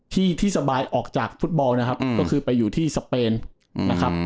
ที่ที่สบายออกจากฟุตบอลนะครับก็คือไปอยู่ที่สเปนนะครับ